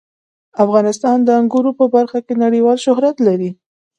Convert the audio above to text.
افغانستان د انګورو په برخه کې نړیوال شهرت لري.